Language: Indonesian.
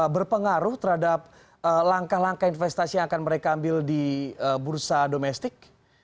berpengaruh terhadap langkah langkah investasi yang akan mereka ambil di bursa domestik